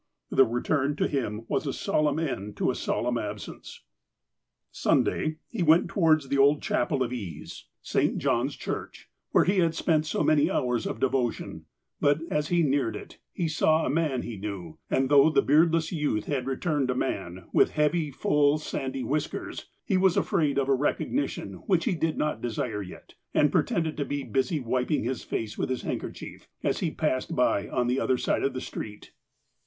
The return was to him a solemn end to a solemn absence. Sunday, he went towards the old chapel of ease, 224 THE APOSTLE OF ALASKA St. John's Church, where he had spent so many hours of devotion, but, as he ueared it, he saw a man he knew, and though the beardless youth had returned a man, with heavy, full, sandy whiskers, he was afraid of a recogni tion, which he did not desire yet, and pretended to be busy wiping his face with his handkerchief, as he passed by on the other side of the street.